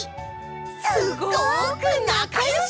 すごくなかよし！